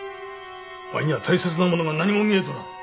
お前には大切なものが何も見えとらん。